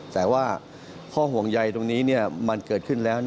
แต่ว่าข้อห่วงใยตรงนี้มันเกิดขึ้นแล้ว